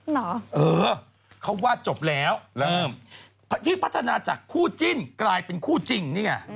นี่เหรอเออเขาว่าจบแล้วพัฒนาจากคู่จิ้นกลายเป็นคู่จริง